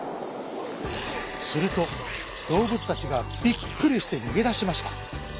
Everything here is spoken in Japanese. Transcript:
するとどうぶつたちがびっくりしてにげだしました。